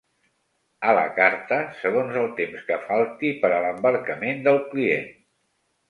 A la carta, segons el temps que falti per a l'embarcament del client.